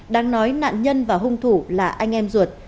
đang nói nạn nhân và hung thủ là anh em ruột